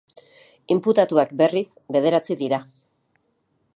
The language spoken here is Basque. Inputatuak, berriz, bederatzi dira.